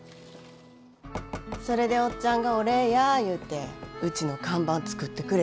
それでおっちゃんがお礼や言うてうちの看板作ってくれたんや。